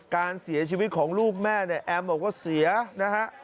การเสียชีวิตของลูกแม่เนี่ยแอมบอกว่าเสียนะฮะ